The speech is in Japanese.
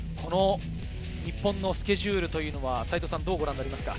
日本のスケジュールどうご覧になりますか？